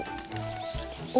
お！